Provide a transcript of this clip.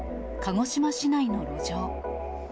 鹿児島市内の路上。